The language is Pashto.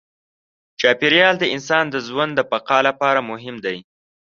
چاپېریال د انسان د ژوند د بقا لپاره مهم دی.